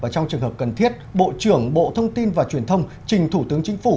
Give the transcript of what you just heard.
trong trường hợp cần thiết bộ trưởng bộ thông tin và truyền thông trình thủ tướng chính phủ